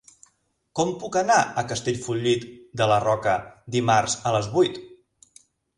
Com puc anar a Castellfollit de la Roca dimarts a les vuit?